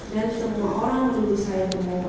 dan semua orang menurut saya berdorong